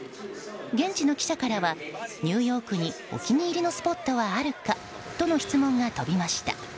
現地の記者からはニューヨークにお気に入りのスポットはあるか？との質問が飛びました。